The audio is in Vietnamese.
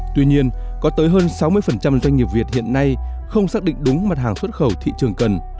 tuy nhiên có tới hơn sáu mươi doanh nghiệp việt hiện nay không xác định đúng mặt hàng xuất khẩu thị trường cần